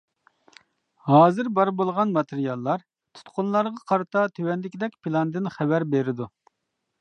ھازىر بار بولغان ماتېرىياللار تۇتقۇنلارغا قارىتا تۆۋەندىكىدەك پىلاندىن خەۋەر بېرىدۇ.